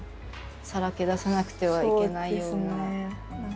さらけ出さなくてはいけないような。